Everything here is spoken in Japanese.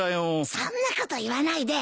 そんなこと言わないで。